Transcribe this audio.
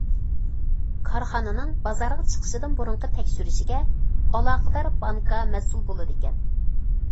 كارخانىنىڭ بازارغا چىقىشىدىن بۇرۇنقى تەكشۈرۈشىگە ئالاقىدار بانكا مەسئۇل بولىدىكەن.